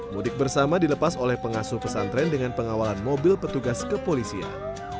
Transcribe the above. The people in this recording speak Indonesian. mudik bersama dilepas oleh pengasuh pesantren dengan pengawalan mobil petugas kepolisian